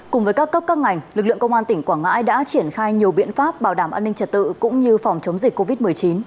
cùng với các cấp các ngành lực lượng công an tỉnh quảng ngãi đã triển khai nhiều biện pháp bảo đảm an ninh trật tự cũng như phòng chống dịch covid một mươi chín